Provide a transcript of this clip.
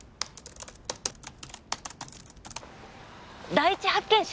第一発見者